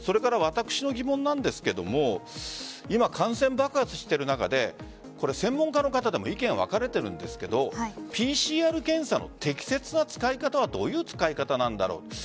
私の疑問なんですが感染爆発している中で専門家の方でも意見が分かれているんですがＰＣＲ検査の適切な使い方はどういう使い方なんだろう。